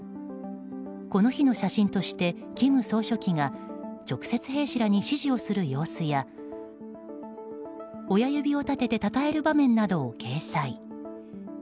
この日の写真として金総書記が直接兵士らに指示をする様子や親指を立ててたたえる場面などを掲載。